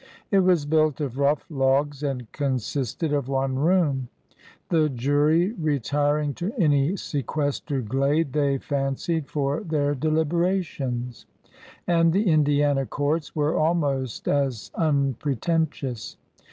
1 It was built of rough logs and consisted of one room,— "the jury re tiring to any sequestered glade they fancied for their deliberations,"— and the Indiana courts were almost as unpretentious.